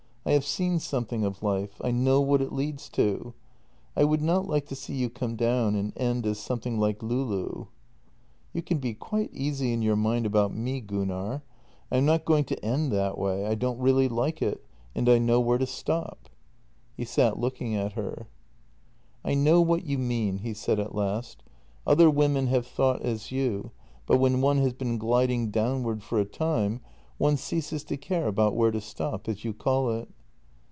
I have seen something of life; I know what it leads to. I would not like to see you come down and end as something like Loulou." " You can be quite easy in your mind about me, Gunnar. I am not going to end that way. I don't really like it, and I know where to stop." 262 JENNY He sat looking at her. " I know what you mean," he said at last. " Other women have thought as you, but when one has been gliding downward for a time one ceases to care about where to stop, as you call it."